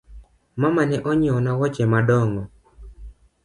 Mama ne onyieo na woche madong’o